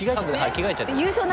着替えちゃってます。